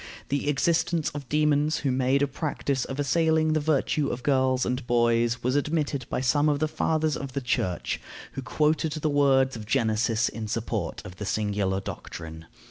The existence of demons who made a practice of assailing the virtue of girls and boys was admitted by some of the fathers of the Church, who quoted the words of Genesis in support of the singular doctrine.